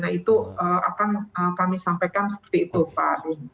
akan kami sampaikan seperti itu pak